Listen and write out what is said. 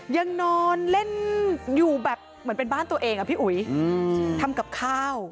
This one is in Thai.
ยังนอนเล่นอยู่แบบเหมือนเป็นบ้านตัวเองอ่ะพี่อุ๋ยทำกับข้าว